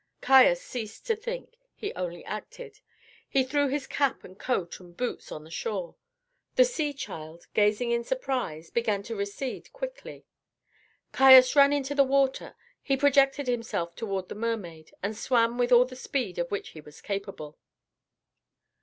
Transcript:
Caius ceased to think; he only acted. He threw his cap and coat and boots on the shore. The sea child, gazing in surprise, began to recede quickly. Caius ran into the water; he projected himself toward the mermaid, and swam with all the speed of which he was capable.